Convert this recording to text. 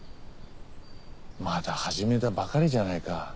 まだ始めたばかりじゃないか。